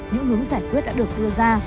những hướng giải quyết đã được đưa ra